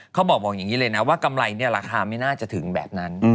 เขาบอกบอกอย่างนี้เลยนะว่ากำไรเนี่ยราคาไม่น่าจะถึงแบบนั้น